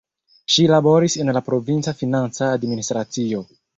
Ŝi laboris en la provinca financa administracio.